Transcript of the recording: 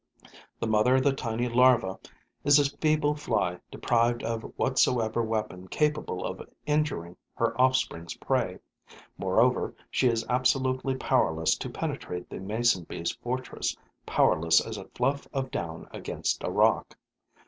The mother of the tiny larva is a feeble Fly deprived of whatsoever weapon capable of injuring her offspring's prey. Moreover, she is absolutely powerless to penetrate the mason bee's fortress, powerless as a fluff of down against a rock.